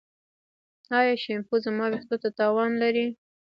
ایا شیمپو زما ویښتو ته تاوان لري؟